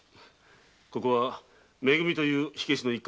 ここは「め組」という火消しの一家。